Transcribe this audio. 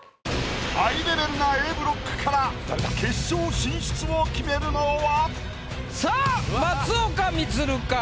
ハイレベルなＡブロックから決勝進出を決めるのは⁉さあ松岡充か？